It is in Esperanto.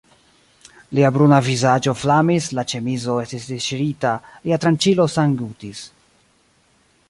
Lia bruna vizaĝo flamis, la ĉemizo estis disŝirita, lia tranĉilo sanggutis.